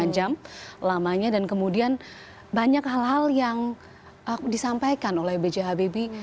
satu lima jam lamanya dan kemudian banyak hal hal yang disampaikan oleh b j habibi